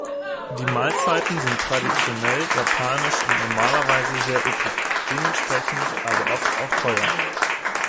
Die Mahlzeiten sind traditionell japanisch und normalerweise sehr üppig, dementsprechend aber oft auch teuer.